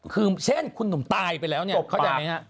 คือเช่นคุณหนุ่มตายไปแล้วเนี่ยตบปาก